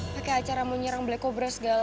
pake acara mau nyerang black cobra segala